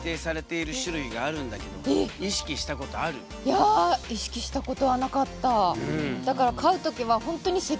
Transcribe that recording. いや意識したことはなかった。